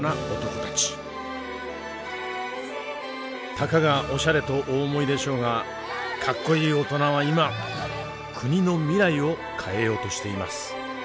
たかがオシャレとお思いでしょうが格好いい大人は今国の未来を変えようとしています。